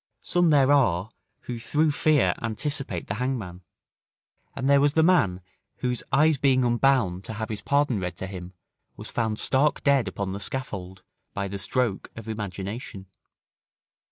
Some there are who through fear anticipate the hangman; and there was the man, whose eyes being unbound to have his pardon read to him, was found stark dead upon the scaffold, by the stroke of imagination.